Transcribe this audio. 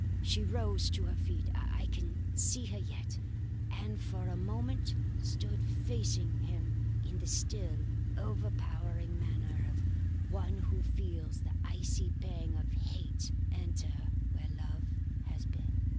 She rose to her feet I can see her yet and for a moment stood facing him in the still, overpowering manner of one who feels the icy pang of hate enter where love has been.